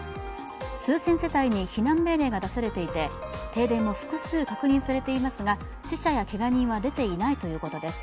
数千世帯に避難命令が出され停電も複数確認されていますが死者やけが人は出ていないということです。